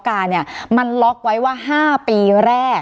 การแสดงความคิดเห็น